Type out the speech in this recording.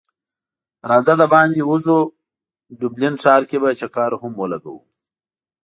راځه د باندی وځو ډبلین ښار کی به چکر هم ولګو